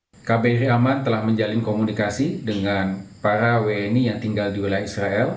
kementerian luar negeri indonesia telah menjalin komunikasi dengan para wni yang tinggal di wilayah israel